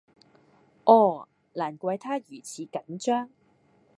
啊！難怪她如此緊張